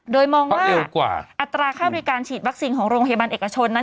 โดยมองว่าอัตราค่าบริการฉีดวัคซีนของโรงพยาบาลเอกชน